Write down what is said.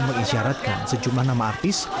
mengisyaratkan sejumlah nama artis